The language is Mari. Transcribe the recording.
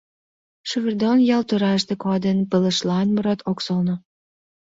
Шывырдоҥ ял тораште кодын, пылышлан мурат ок солно.